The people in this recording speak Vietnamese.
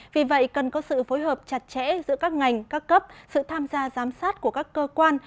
vì vậy cần có sự phối hợp chặt chẽ giữa các ngành các cấp sự tham gia giám sát của các cơ quan